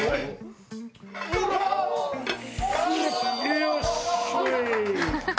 よし！